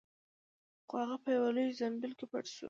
خو هغه په یوه لوی زنبیل کې پټ شو.